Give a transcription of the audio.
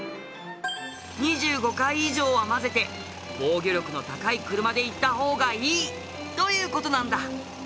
２５回以上は混ぜて防御力の高い車で行った方がいいという事なんだ。